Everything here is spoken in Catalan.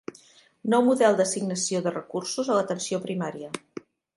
Nou model d'assignació de recursos a l'atenció primària.